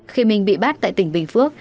khi minh bị bắt tại tỉnh bình phước